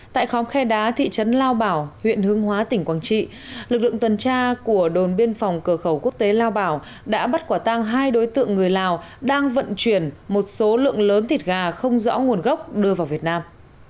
tại khóm khe đá thị trấn lao bảo huyện hương hóa tỉnh quảng trị lực lượng tuần tra của đồn biên phòng cửa khẩu quốc tế lao bảo đã bắt quả tang hai đối tượng người lào đang vận chuyển một số lượng lớn thịt gà không rõ nguồn gốc đưa vào việt nam